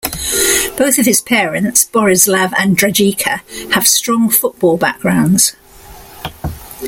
Both of his parents, Borislav and Dragica, have strong football backgrounds.